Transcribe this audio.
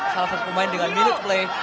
salah satu pemain dengan minute play